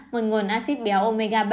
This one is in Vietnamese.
một nguồn acid béo omega ba